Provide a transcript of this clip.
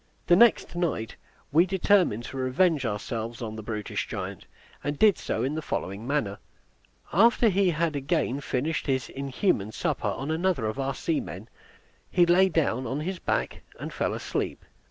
The next night we determined to revenge ourselves on the brutish giant, and did so in the following manner. After he had again finished his inhuman supper on another of our seamen, he lay down on his back, and fell asleep.